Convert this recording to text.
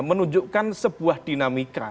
menunjukkan sebuah dinamika